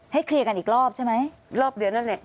เคลียร์กันอีกรอบใช่ไหมรอบเดือนนั่นแหละ